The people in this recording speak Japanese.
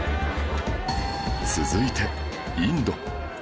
続いてインド